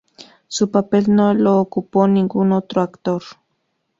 Su papel no lo ocupó ningún otro actor.